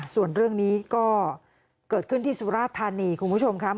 ส่วนเรื่องนี้ก็เกิดขึ้นที่สุราธานีคุณผู้ชมครับ